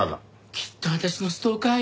きっと私のストーカーよ。